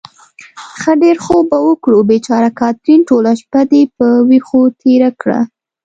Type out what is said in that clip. ښه ډېر خوب به وکړو. بېچاره کاترین، ټوله شپه دې په وېښو تېره کړه.